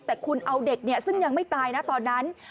แต่คุณเอาเด็กซึ่งยังไม่ตายนะตอนนั้น